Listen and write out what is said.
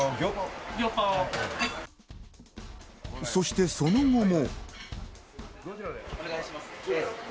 そして、その後も。